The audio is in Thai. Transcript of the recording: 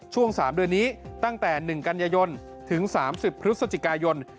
๓เดือนนี้ตั้งแต่๑กันยายนถึง๓๐พฤศจิกายน